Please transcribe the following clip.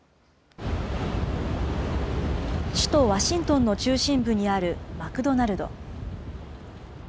首都ワシントンの中心部にあるマクドナルド。